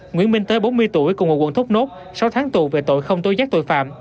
nguyễn minh tế bốn mươi tuổi cùng hội quận thúc nốt sáu tháng tù về tội không tối giác tội phạm